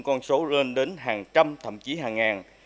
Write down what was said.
con số rên đến hàng trăm thậm chí hàng ngàn